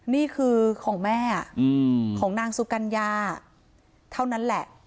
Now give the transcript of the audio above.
นี่คือของแม่ของนางสุกัญญาเท่านั้นแหละ